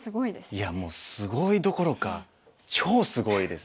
いやもうすごいどころか超すごいです。